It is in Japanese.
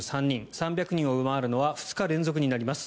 ３００人を上回るのは２日連続になります。